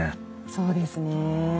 そうですね。